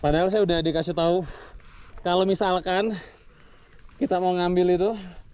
padahal saya sudah dikasih tahu kalau misalkan kita mau ngambil itu